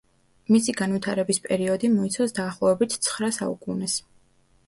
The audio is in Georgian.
მისი განვითარების პერიოდი მოიცავს დაახლოებით ცხრა საუკუნეს.